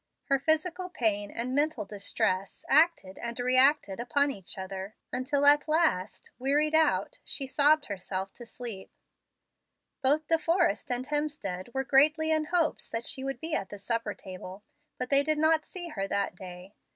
Her physical pain and mental distress acted and reacted upon each other, until at last, wearied out, she sobbed herself to sleep. Both De Forrest and Hemstead were greatly in hopes that she would be at the supper table, but they did not see her that day.